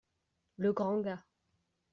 Le grand gars.